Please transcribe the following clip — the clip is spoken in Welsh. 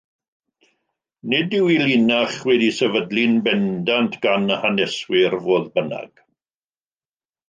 Nid yw ei linach wedi ei sefydlu'n bendant gan haneswyr, fodd bynnag.